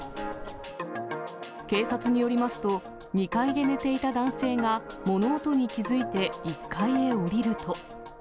警察によりますと、２階で寝ていた男性が物音に気付いて１階へ下りると。